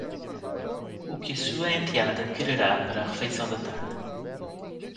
O que sua enteada quererá para a refeição da tarde?